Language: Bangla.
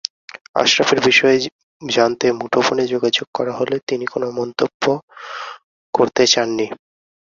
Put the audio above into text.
আশরাফের বিষয়ে জানতে মুঠোফোনে যোগাযোগ করা হলে তিনি কোনো মন্তব্য করতে চাননি।